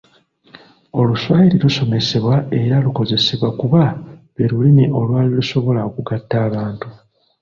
Oluswayiri lusomesebwe era lukozesebwe kuba lwe Lulimi olwali lusobola okugatta abantu.